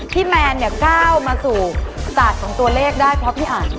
แมนเนี่ยก้าวมาสู่ศาสตร์ของตัวเลขได้เพราะพี่อัน